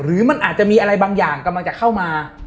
หรือมันอาจจะมีอะไรบางอย่างกำลังจะเข้ามา